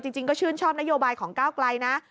จริงก็ชื่นชอบนโยบายของก้าวไกลนะ